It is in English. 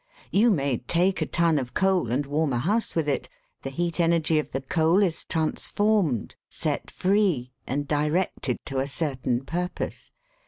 "You may take a ton of coal and warm a house with it. The heat energy of the coal is trans formed, set free, and directed to a certain pur pose.